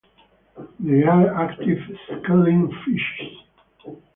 They are active schooling fishes.